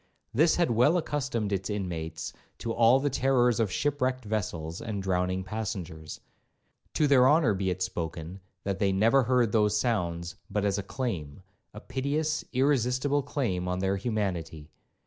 This had well accustomed its inmates to all the terrors of shipwrecked vessels and drowning passengers. To their honour be it spoken, they never heard those sounds but as a claim, a piteous, irresistible claim on their humanity.